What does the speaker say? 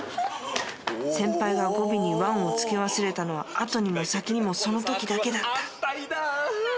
先輩が語尾に「ワン」を付け忘れたのは後にも先にもその時だけだった。